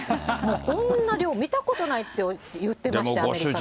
こんな量、見たことないって言ってました、アメリカの方も。